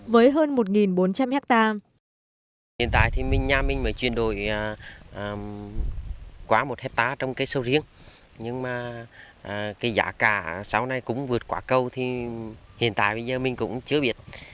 với hơn một bốn trăm linh hectare